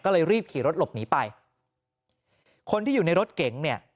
ก็เลยรีบขี่รถหลบหนีไปคนที่อยู่ในรถเก๋งเนี่ย